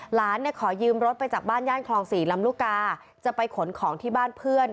หลานเนี่ยขอยืมรถไปจากบ้านย่านคลอง๔ลำลูกกาจะไปขนของที่บ้านเพื่อน